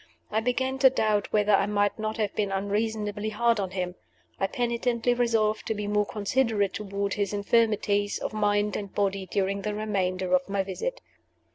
I began to doubt whether I might not have been unreasonably hard on him. I penitently resolved to be more considerate toward his infirmities of mind and body during the remainder of my visit.